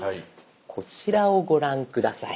こちらをご覧下さい。